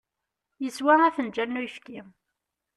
Yeswa afenǧal n uyefki.